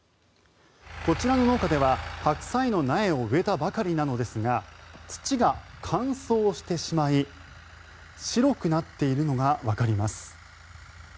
こちらの農家では白菜の苗を植えたばかりなのですが土が乾燥してしまい白くなっているのがわかります。